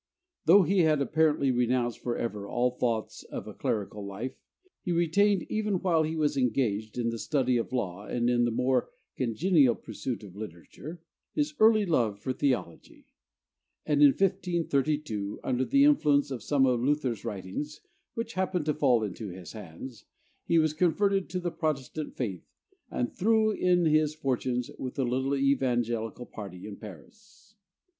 Though he had apparently renounced forever all thoughts of a clerical life, he retained, even while he was engaged in the study of law and in the more congenial pursuit of literature, his early love for theology; and in 1532, under the influence of some of Luther's writings which happened to fall into his hands, he was converted to the Protestant faith and threw in his fortunes with the little evangelical party in Paris.